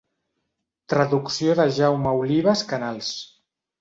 Traducció de Jaume Olives Canals.